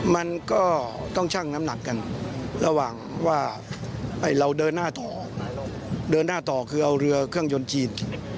มันก็ต้องชั่งน้ำหนักกันระหว่างว่าเราเดินหน้าต่อเดินหน้าต่อคือเอาเรือเครื่องยนต์จีน